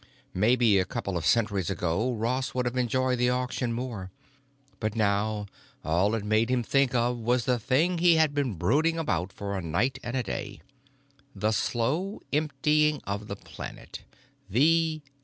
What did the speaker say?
Maybe a couple of centuries ago Ross would have enjoyed the auction more. But now all it made him think of was the thing he had been brooding about for a night and a day, the slow emptying of the planet, the....